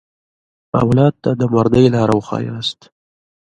اولاد ته د مردۍ لاره وښیاست.